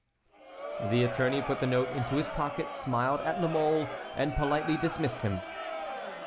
The attorney put the note into his pocket, smiled at La Mole, and politely dismissed him.